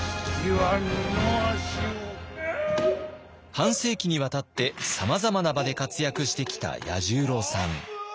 半世紀にわたってさまざまな場で活躍してきた彌十郎さん。